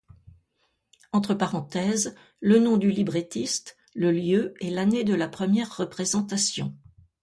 Entre parenthèses le nom du librettiste, le lieu et l'année de la première représentation.